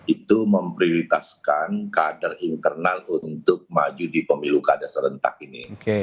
itu memprioritaskan kader internal untuk maju di pemilu kada serentak ini